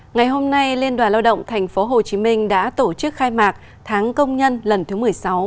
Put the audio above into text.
ngày hôm nay liên đoàn lao động tp hcm đã tổ chức khai mạc tháng công nhân lần thứ một mươi sáu